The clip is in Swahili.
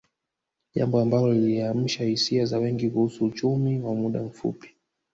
Jambo ambao liliamsha hisia za wengi kuhusu uchumi wa muda mfupi